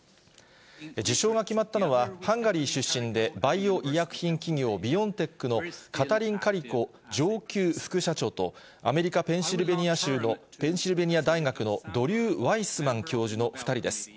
受賞が決まったのは、ハンガリー出身で、バイオ医薬品企業、ビオンテックのカタリン・カリコ上級副社長と、アメリカ・ペンシルベニア大学のドリュー・ワイスマン教授の２人です。